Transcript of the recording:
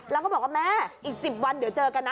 แล้วก็บอกว่าแม่อีก๑๐วันเดี๋ยวเจอกันนะ